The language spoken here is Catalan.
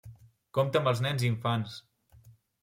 Compte amb els nens i infants!